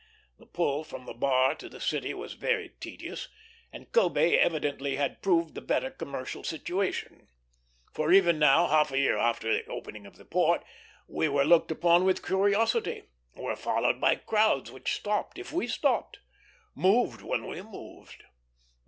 The pull from the bar to the city was very tedious, and Kobé evidently had proved the better commercial situation; for even now, half a year after the opening of the port, we were looked upon with curiosity; were followed by crowds which stopped if we stopped, moved when we moved.